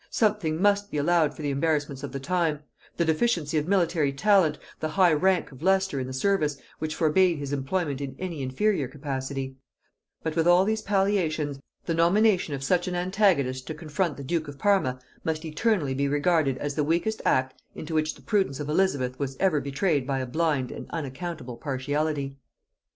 Something must be allowed for the embarrassments of the time; the deficiency of military talent; the high rank of Leicester in the service, which forbade his employment in any inferior capacity: but, with all these palliations, the nomination of such an antagonist to confront the duke of Parma must eternally be regarded as the weakest act into which the prudence of Elizabeth was ever betrayed by a blind and unaccountable partiality.